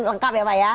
lengkap ya pak ya